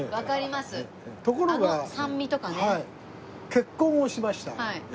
結婚をしました。